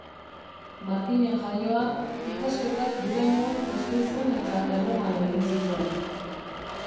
Markinan jaioa, ikasketak Durangon, Gasteizen eta Erroman egin zituen.